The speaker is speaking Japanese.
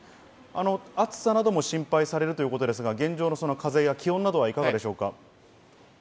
暑さなども心配されるということですが、現状の風や気温などはいかがですか？